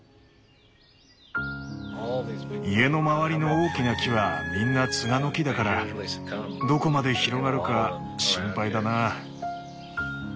家の周りの大きな木はみんなツガの木だからどこまで広がるか心配だな。